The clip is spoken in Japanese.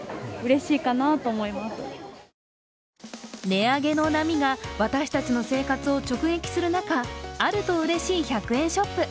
値上げの波が私たちの生活を直撃する中あるとうれしい１００円ショップ。